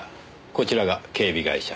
こちらが警備会社。